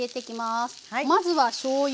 まずはしょうゆ。